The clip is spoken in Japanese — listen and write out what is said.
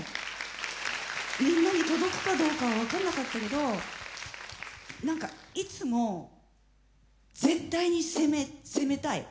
みんなに届くかどうかは分かんなかったけど何かいつも絶対に攻め攻めたい。